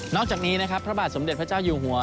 อกจากนี้นะครับพระบาทสมเด็จพระเจ้าอยู่หัว